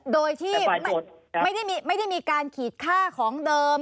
โดยที่ไม่ได้มีการขีดค่าของเดิม